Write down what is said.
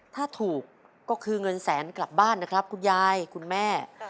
ถ้าถูกก็คือเงินแสนกลับบ้านนะครับคุณยายคุณแม่